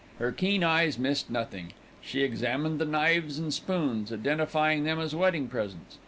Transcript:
Her keen eyes missed nothing. She examined the knives and spoons, identifying them as wedding presents.